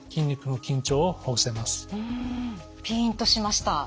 うんピンとしました。